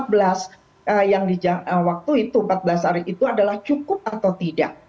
kita bertanya gitu ya apakah empat belas yang waktu itu empat belas hari itu adalah cukup atau tidak